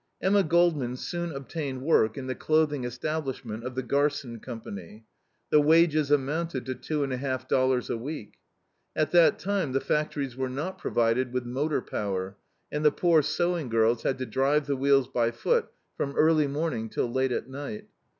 Emma Goldman soon obtained work in the clothing establishment of the Garson Co. The wages amounted to two and a half dollars a week. At that time the factories were not provided with motor power, and the poor sewing girls had to drive the wheels by foot, from early morning till late at night.